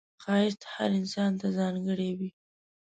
ښایست هر انسان ته ځانګړی وي